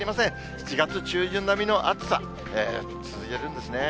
７月中旬並みの暑さ、続いてるんですね。